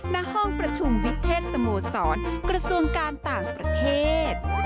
ณห้องประชุมวิเทศสโมสรกระทรวงการต่างประเทศ